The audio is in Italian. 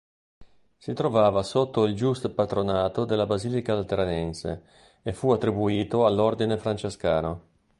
Si trovava sotto il giuspatronato della basilica lateranense e fu attribuito all'ordine francescano.